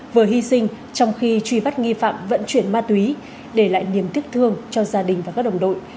vừa hy sinh trong khi truy bắt nghi phạm vận chuyển ma túy để lại niềm tiếc thương cho gia đình và các đồng đội